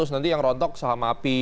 nanti yang rontok saham api